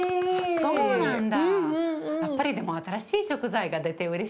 そうなんだ。